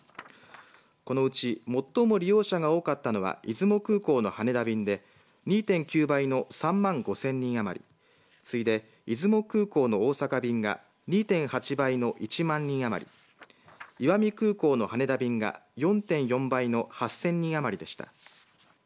このうち最も利用者が多かったのは出雲空港の羽田便で２．９倍の３万５０００人余りついで出雲空港の大阪便が２．８倍の１万人余り石見空港の羽田便が４．４倍の８０００人余りでした。